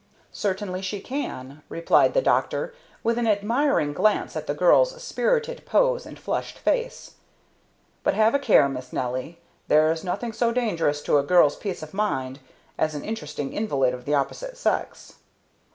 "Certainly she can," replied the doctor, with an admiring glance at the girl's spirited pose and flushed face. "But have a care, Miss Nelly. There's nothing so dangerous to a girl's peace of mind as an interesting invalid of the opposite sex."